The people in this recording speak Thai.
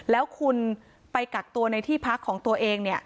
แล้วคุณไปกักตัวในที่พักของตัวเอง